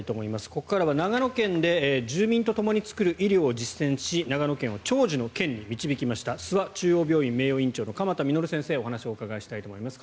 ここからは長野県で住民とともに作る医療を実践し長野県を長寿の県に導きました諏訪中央病院名誉院長の鎌田實さんにお話をお伺いします。